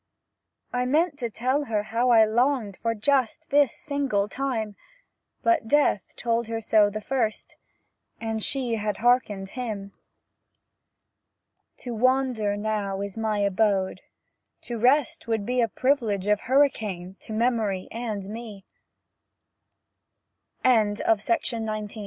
I meant to tell her how I longed For just this single time; But Death had told her so the first, And she had hearkened him. To wander now is my abode; To rest, to rest would be A privilege of hurricane To memory and me. XXXII. WAIT